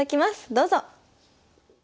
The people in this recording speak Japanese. どうぞ。